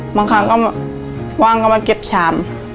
บางครั้งก็ว่างก็มาเก็บชาม